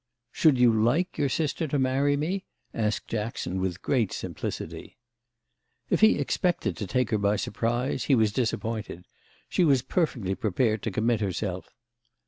"Should you like your sister to marry me?" asked Jackson with great simplicity. If he expected to take her by surprise he was disappointed: she was perfectly prepared to commit herself.